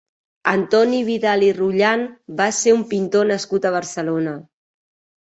Antoni Vidal i Rolland va ser un pintor nascut a Barcelona.